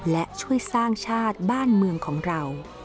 และช่วยสร้างชาติบ้านเมืองของเรา